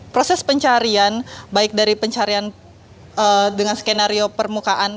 proses pencarian baik dari pencarian dengan skenario permukaan